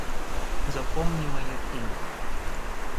Запомни моё имя